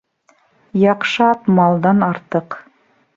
Яҡшы ат малдан артыҡ.